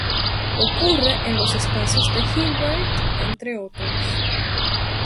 Ocurre en los espacios de Hilbert, entre otros.